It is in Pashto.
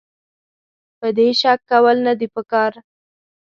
په دې کې شک کول نه دي پکار.